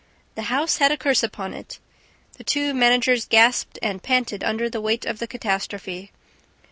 The house had a curse upon it! The two managers gasped and panted under the weight of the catastrophe.